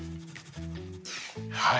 はい。